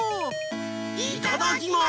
いただきます！